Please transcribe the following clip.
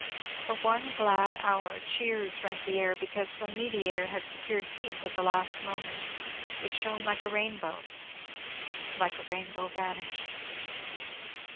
For one glad hour cheers rent the air because some mediator had secured peace at the last moment; it shone like a rainbow, like a rainbow vanished.